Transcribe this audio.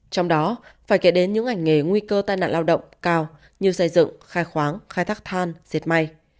trong đó phải kể đến những ngành nghề nguy cơ tai nạn lao động cao như xây dựng khai khoáng khai thác than diệt may